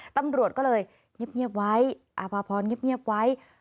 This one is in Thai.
ตำรวจก็เลยเงียบไว้อาภาพรเงียบไว้